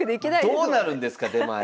どうなるんですか出前。